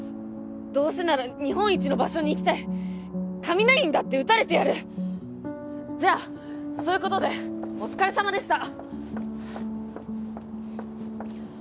どうせなら日本一の場所に行きたい雷にだって打たれてやるじゃそういうことでお疲れさまでした！